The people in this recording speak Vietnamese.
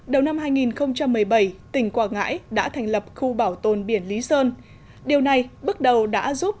đầu năm hai nghìn một mươi bảy tỉnh quảng ngãi đã thành lập khu bảo tồn biển lý sơn điều này bước đầu đã giúp